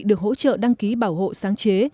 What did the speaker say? được hỗ trợ đăng ký bảo hộ sáng chế